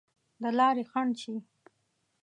د لارې خنډ شي.